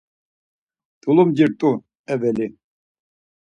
T̆ulumcirt̆u eveli.